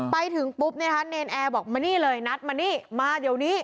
ไปถึงปุ๊บเนี่ยนะคะเนรนแอร์บอกมานี่เลยนัดมานี่มาเดี๋ยวนี้